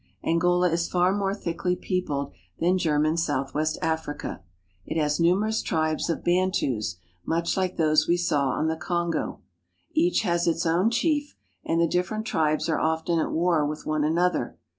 Angola is far more thickly peopled than German South west Africa. It has numerous tribes of Bantus, much like those we saw on the Kongo. Each has its own chief, and the different tribes are often at war with one another.